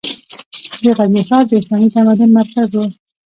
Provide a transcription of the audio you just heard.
د غزني ښار د اسلامي تمدن مرکز و.